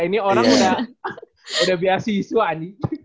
ini orang udah beasiswa adi